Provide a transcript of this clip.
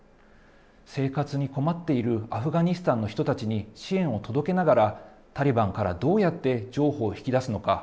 生活に困っているアフガニスタンの人たちに支援を届けながら、タリバンからどうやって譲歩を引き出すのか。